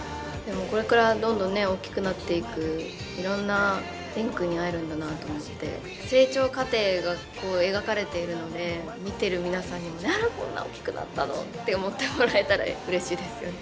これからどんどん大きくなっていくいろんな蓮くんに会えるんだなと思って成長過程がこう描かれているので見てる皆さんにもこんな大きくなったのって思ってもらえたらうれしいですよね。